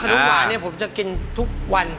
ลูกหวานเนี่ยผมจะกินทุกวัน